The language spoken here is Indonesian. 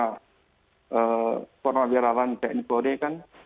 rata rata para fornawirawan tni dan polri kan